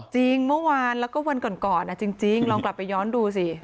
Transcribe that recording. จริงเมื่อวานแล้วก็วันก่อนจริงลองกลับไปย้อนดูสิ